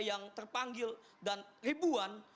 yang terpanggil dan ribuan